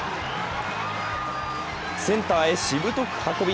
センターへしぶとく運び